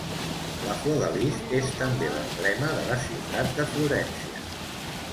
La flor de lis és també l'emblema de la ciutat de Florència.